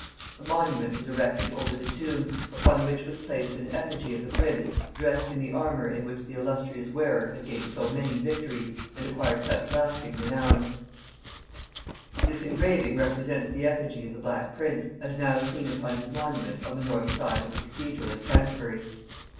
A monument was erected over the tomb, upon which was placed an effigy of the prince, dressed in the armor in which the illustrious wearer had gained so many victories and acquired such lasting renown. [Illustration: EDWARD, THE BLACK PRINCE. This engraving represents the effigy of the Black Prince, as now seen upon his monument on the north side of the Cathedral at Canterbury.